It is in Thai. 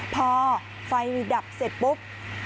พอไฟดับเสร็จปุ๊บ